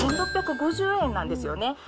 １６５０円なんですよね。